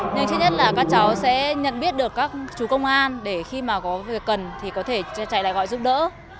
nhưng thứ nhất là các cháu sẽ nhận biết được các chú công an để khi mà có việc cần thì có thể chạy lại gọi giúp đỡ